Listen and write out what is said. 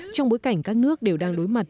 trong bối cảnh các nước đều đang đối mặt